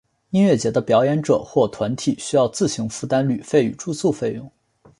音乐节的表演者或团体需要自行负担旅费与住宿费用。